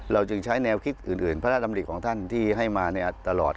จึงใช้แนวคิดอื่นพระราชดำริของท่านที่ให้มาตลอด